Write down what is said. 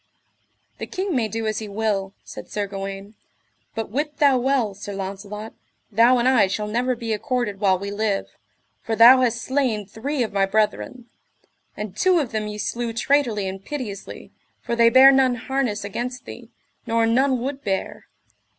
The king may do as he will, said Sir Gawaine, but wit thou well, Sir Launcelot, thou and I shall never be accorded while we live, for thou hast slain three of my brethren; and two of them ye slew traitorly and piteously, for they bare none harness against thee, nor none would bear.